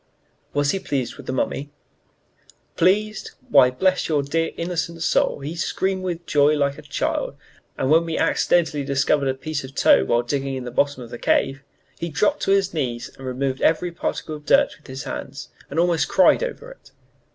"Was he pleased with the mummy?" "Pleased? Why, bless your dear, innocent soul, he screamed with joy like a child, when we accidentally discovered a piece of a toe while digging in the bottom of the cave! He dropped on his knees and removed every particle of dirt with his hands, and almost cried over it.